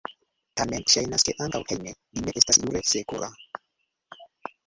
Tamen ŝajnas, ke ankaŭ hejme li ne estas jure sekura.